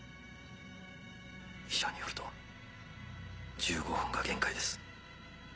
医者によると１５分が限界です。